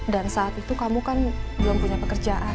dan saat itu kamu kan belum punya pekerjaan